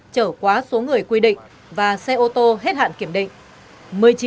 trở quá số người quy định và xe ô tô hết hạn kiểm định